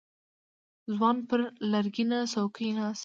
ځوان پر لرګينه څوکۍ کېناست.